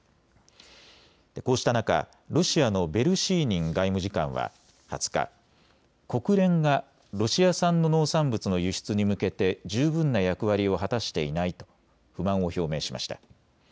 こうした中、ロシアのベルシーニン外務次官は２０日、国連がロシア産の農産物の輸出に向けて十分な役割を果たしていないと不満を表明しました。